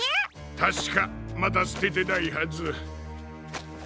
たしかまだすててないはず。